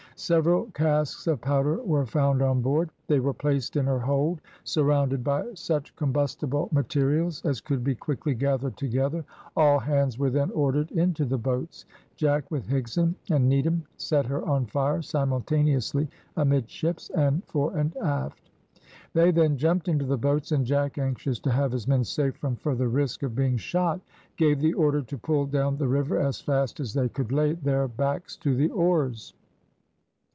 Several casks of powder were found on board. They were placed in her hold, surrounded by such combustible materials as could be quickly gathered together. All hands were then ordered into the boats; Jack, with Higson and Needham, set her on fire simultaneously amidships and fore and aft. They then jumped into the boats, and Jack, anxious to have his men safe from further risk of being shot, gave the order to pull down the river as fast as they could lay their backs to the oars.